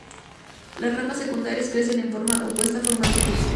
Las ramas secundarias crecen de forma opuesta, formando cruces.